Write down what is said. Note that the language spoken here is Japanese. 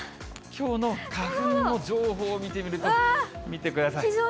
きょうの花粉の情報見てみると、見てください。